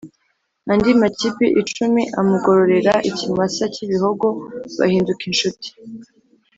andi mapiki icumi, amugororera ikimasa k’ibihogo bahinduka inshuti.